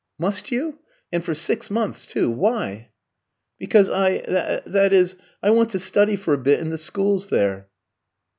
"Must you? And for six months, too; why?" "Because I that is I want to study for a bit in the schools there."